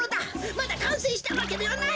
まだかんせいしたわけではないのだ！